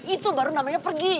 itu baru namanya pergi